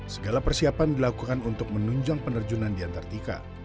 segala persiapan dilakukan untuk menunjang penerjunan di antartika